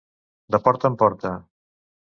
De porta en porta.